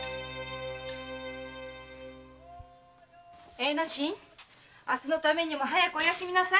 栄之進明日のためにも早くお寝みなさい。